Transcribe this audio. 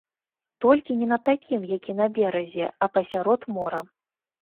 Толькі не на такім, які на беразе, а пасярод мора.